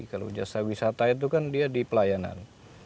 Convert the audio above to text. kalau jasa wisata itu kan dia di pelayanan